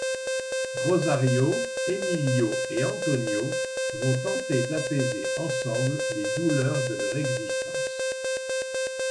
Rosario, Emilio et Antonio vont tenter d'apaiser ensemble les douleurs de leur existence.